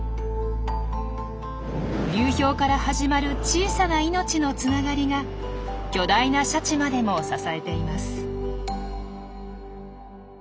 流氷から始まる小さな命のつながりが巨大なシャチまでも支えています。